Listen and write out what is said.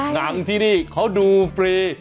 หนังที่นี่เขาดูฟรี